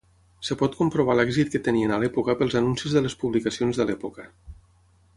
Es pot comprovar l'èxit que tenien a l'època pels anuncis de les publicacions de l'època.